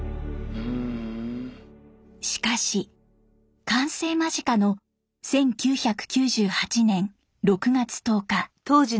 しかし完成間近の１９９８年６月１０日。